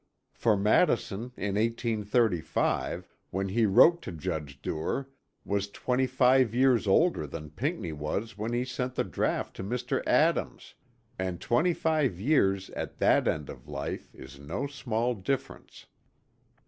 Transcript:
For Madison in 1835, when he wrote to Judge Duer, was twenty five years older than Pinckney was when he sent the draught to Mr. Adams; and twenty five years at that end of life is no small difference.